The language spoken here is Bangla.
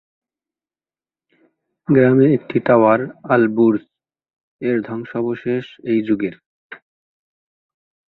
গ্রামে একটি টাওয়ার, "আল-বুর্জ", এর ধ্বংসাবশেষ এই যুগের।